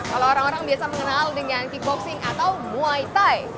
kalau orang orang biasa mengenal dengan keyboxing atau muay thai